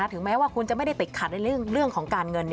ถึงแม้ว่าคุณจะไม่ได้ติดขัดในเรื่องของการเงิน